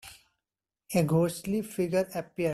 A ghostly figure appeared.